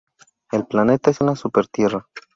El planeta es una Supertierra.